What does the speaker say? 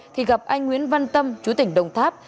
thì gặp anh nguyễn văn tâm chú tỉnh đồng tháp